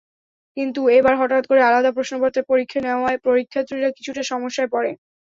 কিন্তু এবার হঠাৎ করে আলাদা প্রশ্নপত্রে পরীক্ষা নেওয়ায় পরীক্ষার্থীরা কিছুটা সমস্যায় পড়ে।